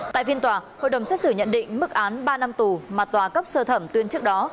tại phiên tòa hội đồng xét xử nhận định mức án ba năm tù mà tòa cấp sơ thẩm tuyên trước đó